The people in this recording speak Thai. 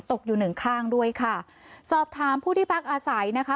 ตกอยู่หนึ่งข้างด้วยค่ะสอบถามผู้ที่พักอาศัยนะคะ